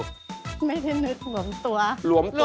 ไม่ได้นึกหลวมตัว